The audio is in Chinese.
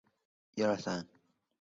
埃尔夫河畔圣皮耶尔。